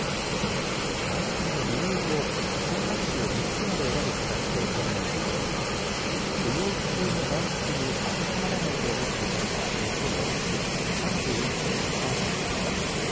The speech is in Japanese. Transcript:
外出の理由を選択肢を３つまで選ぶ形で尋ねたところ、不要不急の外出に当てはまらないと思ったからが最も多く３４．６％でした。